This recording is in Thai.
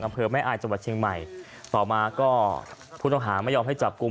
อำเภอแม่อายจังหวัดเชียงใหม่ต่อมาก็ผู้ต้องหาไม่ยอมให้จับกลุ่ม